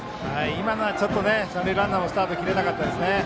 今のは三塁ランナーもスタート切れなかったですね。